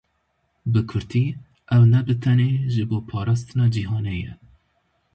Bi kurtî, ew ne bi tenê ji bo parastina cîhanê ye.